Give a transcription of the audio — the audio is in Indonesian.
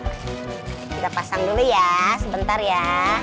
kita pasang dulu ya sebentar ya